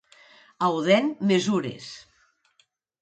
A Odèn, mesures.